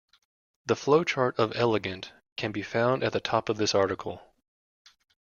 The flowchart of "Elegant" can be found at the top of this article.